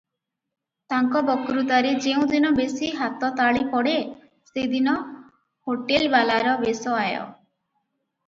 ତାଙ୍କ ବକ୍ତୃତାରେ ଯେଉଁଦିନ ବେଶି ହାତତାଳି ପଡ଼େ, ସେଦିନ ହୋଟେଲବାଲାର ବେଶ ଆୟ ।